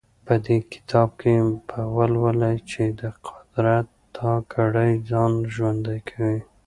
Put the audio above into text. په دې کتاب کې به ولولئ چې د قدرت دا کړۍ ځان ژوندی کوي.